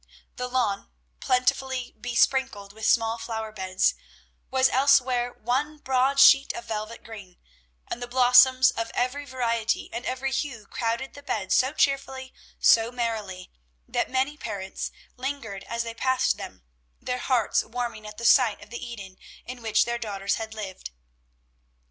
The lawn, plentifully besprinkled with small flower beds, was elsewhere one broad sheet of velvet green; and the blossoms of every variety and every hue crowded the beds so cheerfully, so merrily, that many parents lingered as they passed them, their hearts warming at the sight of the Eden in which their daughters had lived.